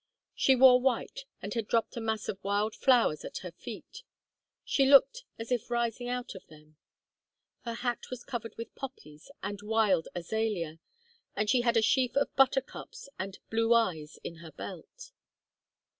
She wore white and had dropped a mass of wild flowers at her feet; she looked as if rising out of them. Her hat was covered with poppies and wild azalea, and she had a sheaf of buttercups and "blue eyes" in her belt.